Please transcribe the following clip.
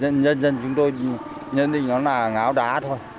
nhân dân chúng tôi nhân dân chúng nó là ngáo đá thôi